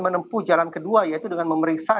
menempuh jalan kedua yaitu dengan memeriksa